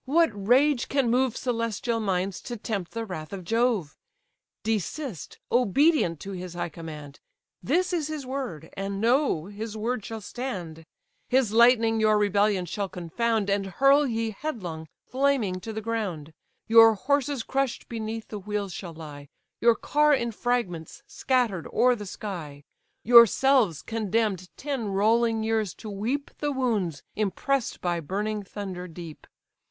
what rage can move Celestial minds to tempt the wrath of Jove? Desist, obedient to his high command: This is his word; and know his word shall stand: His lightning your rebellion shall confound, And hurl ye headlong, flaming, to the ground; Your horses crush'd beneath the wheels shall lie, Your car in fragments scatter'd o'er the sky; Yourselves condemn'd ten rolling years to weep The wounds impress'd by burning thunder deep.